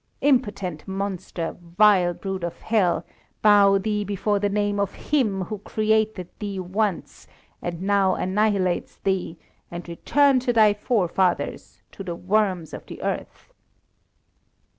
Impotent monster, vile brood of hell, bow thee before the Name of Him who created thee once, and now annihilates thee, and return to thy forefathers to the worms of the earth."